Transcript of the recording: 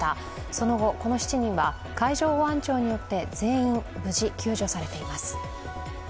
その後、この７人は海上保安庁によって全員、無事救助されています。